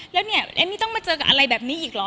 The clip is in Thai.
แล้วเนี่ยเอมมี่ต้องมาเจอกับอะไรแบบนี้อีกเหรอ